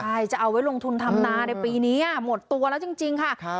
ใช่จะเอาไว้ลงทุนทำนาในปีนี้หมดตัวแล้วจริงค่ะ